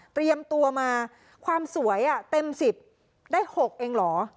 เตรียมตัวมาความสวยเต็ม๑๐ได้๖เองเหรอ